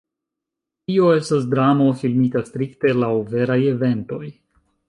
Tio estas dramo, filmita strikte laŭ veraj eventoj.